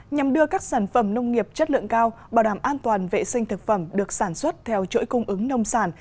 nhằm đưa các sản phẩm nông nghiệp chất lượng cao bảo đảm an toàn vệ sinh thực phẩm được sản xuất theo chuỗi cung ứng nông sản